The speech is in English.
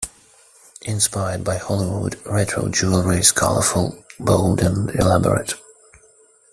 Inspired by Hollywood, Retro jewelry is colorful, bold and elaborate.